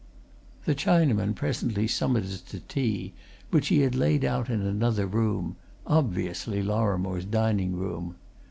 The Chinaman presently summoned us to tea, which he had laid out in another room obviously Lorrimore's dining room.